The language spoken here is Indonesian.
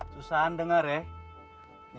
susahan denger ya